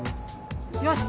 よし！